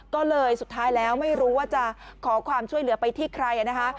ก็เลยสุดท้ายแล้วไม่รู้ว่าจะขอความช่วยเหลือไปที่ใครนะคะ